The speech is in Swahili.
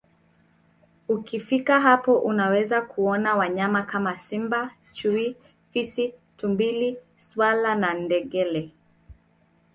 Ukifika hapo unaweza kuona wanyama kama Simba Chui Fisi Tumbili swala na ngedele